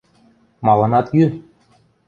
Малын ат йӱ?